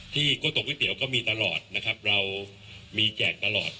ที่ก้าวตกวิเตี๋ยวก็มีตลอดนะครับเรามีแจกตลอด